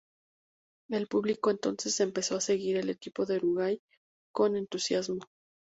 El público entonces empezó a seguir al equipo de Uruguay con entusiasmo.